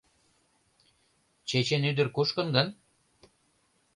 Чечен ӱдыр кушкын гын?!